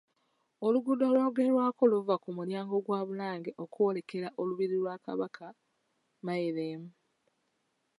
Oluguudo olwogerwako luva ku mulyango gwa Bulange okwolekera olubiri lwa Kabaka (Mayireemu).